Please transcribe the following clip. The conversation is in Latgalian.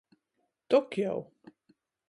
Tok jau...